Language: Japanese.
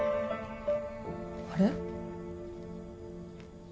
あれ？